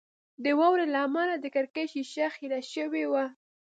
د واورې له امله د کړکۍ شیشه خیره شوې وه